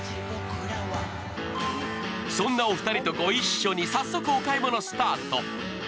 そんなお二人とご一緒に、早速お買い物スタート。